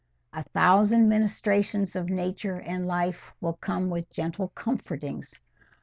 a thousand ministrations of nature and life will come with gentle comfortings.